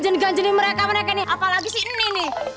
jangan jadi mereka mereka nih apalagi si ini nih